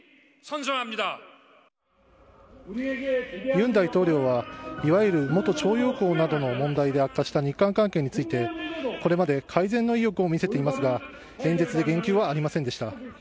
ユン大統領は、いわゆる元徴用工などの問題で悪化した日韓関係について、これまで改善の意欲を見せていますが、演説で言及はありませんでした。